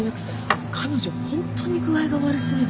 彼女ホントに具合が悪そうで。